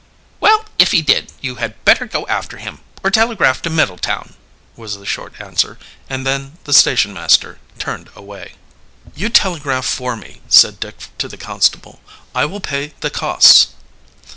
"Well, if he did, you had better go after him or telegraph to Middletown," was the short answer, and then the station master turned away. "You telegraph for me," said Dick to the constable. "I will pay the costs."